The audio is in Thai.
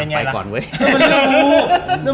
ไปก่อนเว้ย